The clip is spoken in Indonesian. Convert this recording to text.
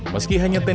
meski hanya tendenya